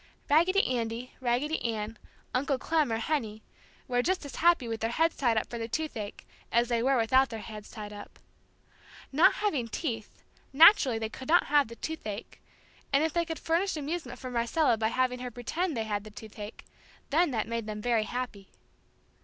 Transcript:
Raggedy Andy, Raggedy Ann, Uncle Clem, or Henny were just as happy with their heads tied up for the toothache as they were without their heads tied up. Not having teeth, naturally they could not have the toothache, and if they could furnish amusement for Marcella by having her pretend they had the toothache, then that made them very happy.